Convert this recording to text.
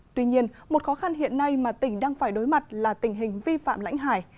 tuy nhiên một khó khăn hiện nay mà tỉnh đang phải đối mặt là tình hình vi phạm lãnh hải